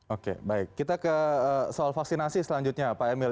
oke baik kita ke soal vaksinasi selanjutnya pak emil